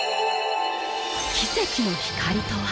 奇跡の光とは？